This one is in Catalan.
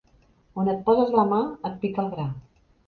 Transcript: On et poses la mà et pica el gra.